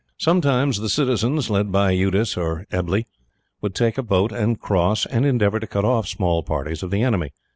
Sometimes the citizens, led by Eudes or Ebble, would take boat and cross, and endeavour to cut off small parties of the enemy.